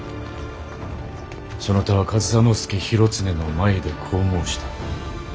そなたは上総介広常の前でこう申した。